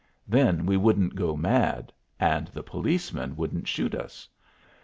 Then we wouldn't go mad, and the policemen wouldn't shoot us.